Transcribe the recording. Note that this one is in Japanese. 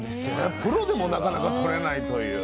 プロでもなかなかとれないという。